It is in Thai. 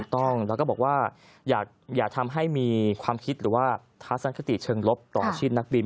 ต้องแล้วก็บอกว่าอย่าทำให้มีความคิดหรือว่าทัศนคติเชิงลบต่ออาชีพนักบิน